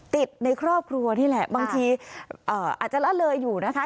ในครอบครัวนี่แหละบางทีอาจจะละเลยอยู่นะคะ